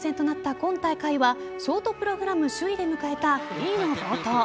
今大会はショートプログラム首位で迎えたフリーの冒頭